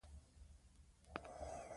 د خطر مدیریت د مالي چارو برخه ده.